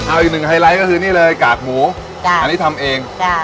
เอาอีกหนึ่งไฮไลท์ก็คือนี่เลยกากหมูจ้ะอันนี้ทำเองจ้ะ